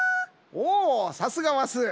おおさすがはスー。